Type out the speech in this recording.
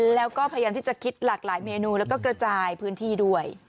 แล้วก็พยายามที่จะคิดหลากหลายเมนูแล้วก็กระจายพื้นที่ด้วย